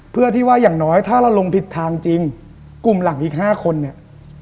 เพื่อที่ว่าอย่างน้อยถ้าเราลงผิดทางจริงกลุ่มหลักอีก๕คนเนี่ย